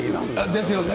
ですよね。